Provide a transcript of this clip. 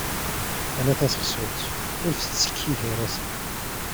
Ala taseqsut, ur nettkki gar-asen.